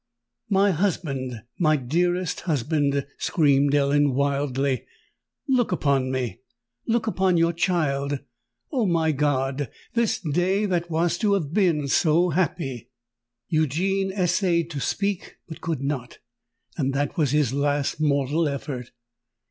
"My husband—my dearest husband!" screamed Ellen, wildly: "look upon me—look upon your child—oh! my God—this day that was to have been so happy!" Eugene essayed to speak—but could not: and that was his last mortal effort.